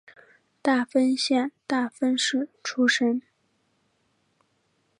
大分县大分市出身。